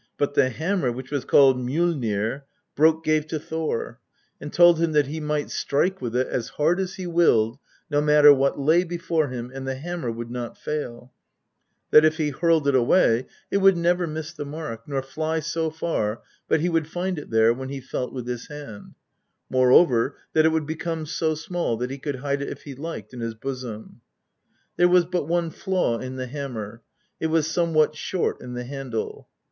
But the hammer which was called Mjoilnir, Brokk gave to Thor, and told him that he might strike with it as hard as he willed, no matter what lay before him, and the hammer would not fail ; that if he hurled it away it would never miss the mark, nor fly so far but he would find it there when he felt with his hand; moreover that it would become so small that he could hide it if he liked in his bosom. There was but one flaw in the hammer ; it was somewhat short in the handle.